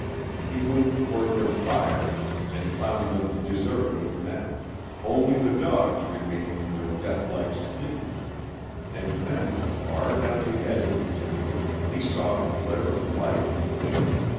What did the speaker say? He moved toward their fires, and found them deserted of men, only the dogs remained in their deathlike sleep. And then, far down the edge of the timber, he saw a flare of light.